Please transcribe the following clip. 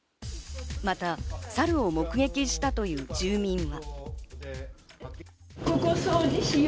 またサルを目撃したという住民は。